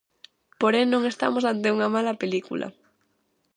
Porén non estamos ante unha mala película.